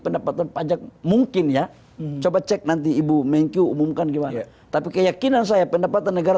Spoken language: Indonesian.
pendapatan pajak mungkin ya coba cek nanti ibu mengkyu umumkan gimana tapi keyakinan saya pendapatan negara